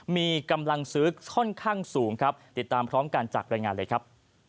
มีกำลังซื้อค่อนข้างสูงครับติดตามพร้อมกันจากรายงานเลยครับ